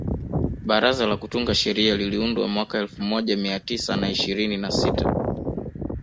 Baraza la kutunga sheria liliundwa mwaka elfu moja mia tisa na ishirini na sita